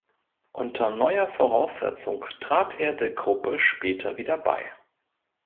Unter neuer Voraussetzung trat er der Gruppe später wieder bei.